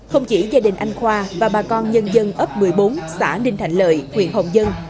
không chỉ gia đình anh khoa và bà con nhân dân ấp một mươi bốn xã ninh thạnh lợi huyện hồng dân